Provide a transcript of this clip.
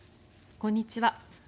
こんにちは。